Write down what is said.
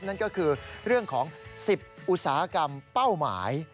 นั่นก็คือเรื่องของ๑๐อุตสาหกรรมเป้าหมาย